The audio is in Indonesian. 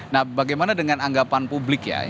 nah bagaimana dengan anggapan publik ya